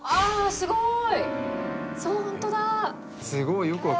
「すごーい！」